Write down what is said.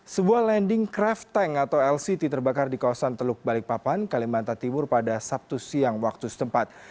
sebuah landing craft tank atau lct terbakar di kawasan teluk balikpapan kalimantan timur pada sabtu siang waktu setempat